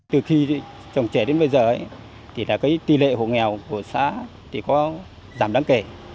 từ khi trồng chè đến bây giờ tỷ lệ hồ nghèo của xã có giảm đáng kể